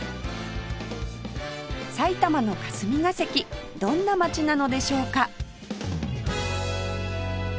埼玉の霞ケ関どんな街なのでしょうか？